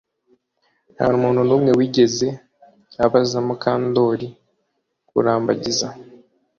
Ntamuntu numwe wigeze abaza Mukandoli kurambagiza